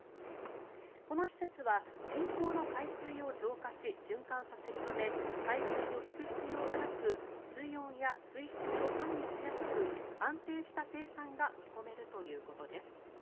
この施設は人工の海水を浄化し循環させるため海水を引く必要がなく水温や水質を管理しやすく安定した生産が見込めるということです。